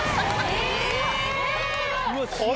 え！